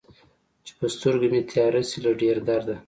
چې په سترګو مې تياره شي له ډېر درده